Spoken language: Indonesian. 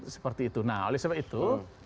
seperti itu nah oleh sebab itu